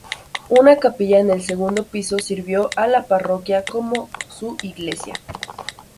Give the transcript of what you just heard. Una capilla en el segundo piso sirvió a la parroquia como su iglesia.